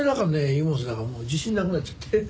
湯本だかもう自信なくなっちゃって。